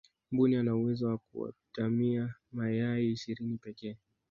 mbuni ana uwezo wa kuatamia mayai ishirini pekee